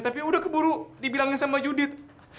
tapi udah keburu dibilangin sama judit